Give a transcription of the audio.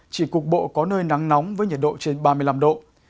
chỉ cục bộ có nơi nắng nóng với nhiệt độ trên ba mươi năm độ